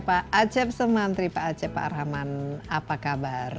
pak acep semantri pak acep pak rahman apa kabar